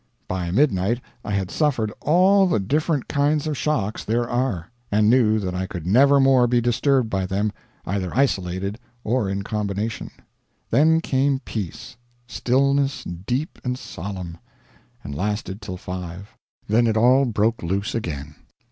By midnight I had suffered all the different kinds of shocks there are, and knew that I could never more be disturbed by them, either isolated or in combination. Then came peace stillness deep and solemn and lasted till five. Then it all broke loose again.